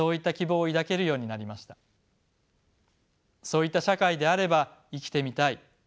そういった社会であれば生きてみたい。